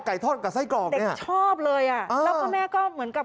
ทอดกับไส้กรอกเนี่ยชอบเลยอ่ะแล้วก็แม่ก็เหมือนกับ